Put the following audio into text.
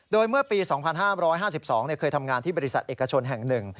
โดยเมื่อปี๒๕๕๒เคยทำงานที่บริษัทเอกชนแห่งหนึ่ง